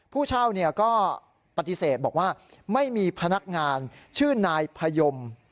ผู้เช่าก็ปฏิเสธบอกว่าไม่มีพนักงานชื่อนายพยม